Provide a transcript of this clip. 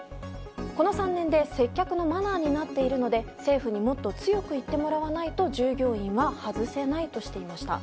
この３年で接客のマナーになっているので政府にもっと強く言ってもらわないと従業員は外せないとしていました。